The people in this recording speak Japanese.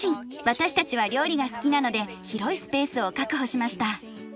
私たちは料理が好きなので広いスペースを確保しました。